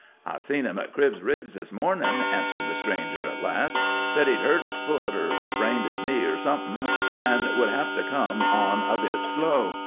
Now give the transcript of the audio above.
"I seen him at Cribb's Ridge this morning," answered the stranger at last. "Said he'd hurt his foot, or strained his knee, or something, an' would have to come on a bit slow.